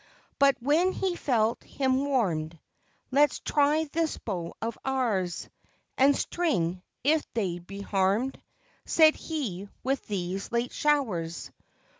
But when he felt him warm'd, Let's try this bow of ours And string, if they be harm'd, Said he, with these late showers.